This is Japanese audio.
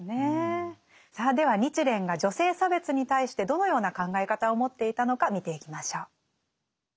さあでは日蓮が女性差別に対してどのような考え方を持っていたのか見ていきましょう。